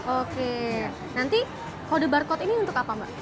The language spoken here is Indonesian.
oke nanti kode barcode ini untuk apa mbak